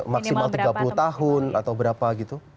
maksimal tiga puluh tahun atau berapa gitu